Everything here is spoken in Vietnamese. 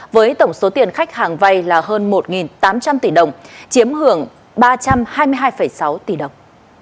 với tổng số tiền khách hàng vay là hơn một tám trăm linh tỷ đồng chiếm hưởng ba trăm hai mươi hai sáu tỷ đồng